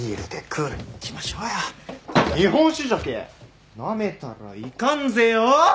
日本酒じゃけえなめたらいかんぜよ！